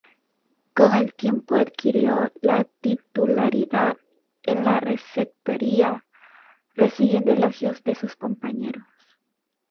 Con el tiempo adquirió la titularidad en la receptoría, recibiendo elogios de sus compañeros.